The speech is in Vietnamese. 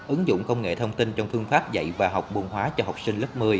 ứng dụng công nghệ thông tin trong phương pháp dạy và học buồn hóa cho học sinh lớp một mươi